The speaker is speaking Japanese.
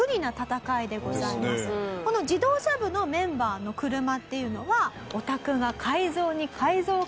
この自動車部のメンバーの車っていうのは。